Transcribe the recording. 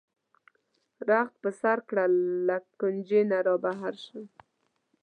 رخت په سر کړه له غُنچې نه را بهر شه.